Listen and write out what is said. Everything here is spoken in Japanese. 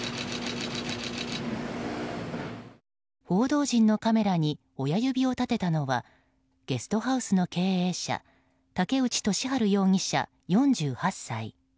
報道陣のカメラに親指を立てたのはゲストハウスの経営者武内俊晴容疑者、４８歳。